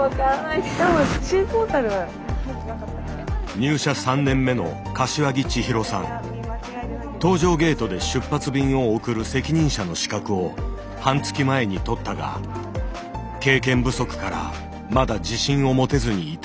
入社３年目の搭乗ゲートで出発便を送る責任者の資格を半月前に取ったが経験不足からまだ自信を持てずにいた。